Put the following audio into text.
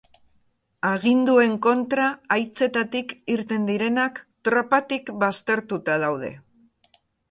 Aginduen kontra haitzetatik irten direnak tropatik baztertuta daude.